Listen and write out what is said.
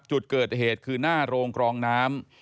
จุดเกิดเหตุคือหน้าโรงกรองน้ำ